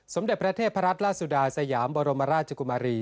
สมเด็จพระเทพรัตนราชสุดาสยามบรมราชกุมารี